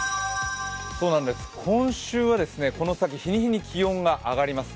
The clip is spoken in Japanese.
今週はこの先、日に日に気温が上がります。